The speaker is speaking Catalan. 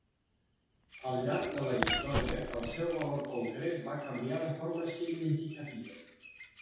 Al llarg de la història, el seu valor concret va canviar de forma significativa.